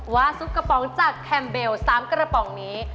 ซุปกระป๋องจากแคมเบล๓กระป๋องนี้